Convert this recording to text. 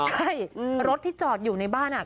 ใช่รถที่จอดอยู่ในบ้านอ่ะ